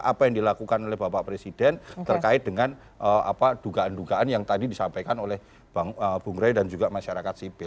apa yang dilakukan oleh bapak presiden terkait dengan dugaan dugaan yang tadi disampaikan oleh bung rey dan juga masyarakat sipil